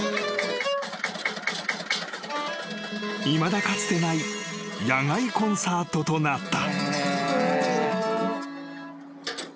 ［いまだかつてない野外コンサートとなった］